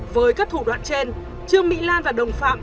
với các thủ đoạn trên trương mỹ lan và đồng phạm